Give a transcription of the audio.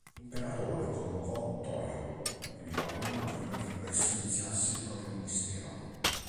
L'imperatore convocò Tōjō il giorno prima che questi iniziasse il proprio ministero.